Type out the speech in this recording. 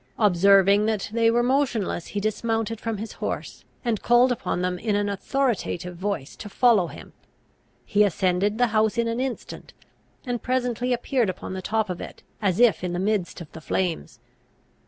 Observing that they were motionless, he dismounted from his horse, and called upon them in an authoritative voice to follow him. He ascended the house in an instant, and presently appeared upon the top of it, as if in the midst of the flames.